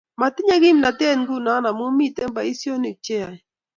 Matinye komnatet nguno amu miten boisionik chayae